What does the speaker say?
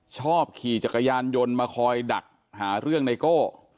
ชอบขี่จักรยานยนต์มาคอยดักหาเรื่องไนโก้